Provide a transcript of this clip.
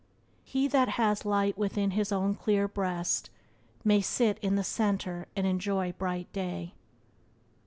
"He that has light within his own clear breast My sit in the center and enjoy bright day."